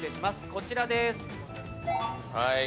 こちらです。